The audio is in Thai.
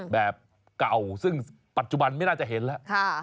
แบบเก่าซึ่งปัจจุบันไม่น่าจะเห็นแล้ว